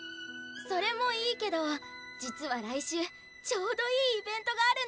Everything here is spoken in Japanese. それもいいけど実は来週ちょうどいいイベントがあるんだ。